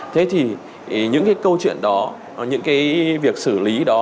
thế thì những cái câu chuyện đó những cái việc xử lý đó